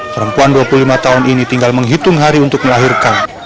perempuan dua puluh lima tahun ini tinggal menghitung hari untuk melahirkan